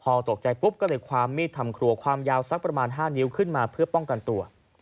พอตกใจปุ๊บก็เลยความมีดทำครัวความยาวสักประมาณ๕นิ้วขึ้นมาเพื่อป้องกันตัว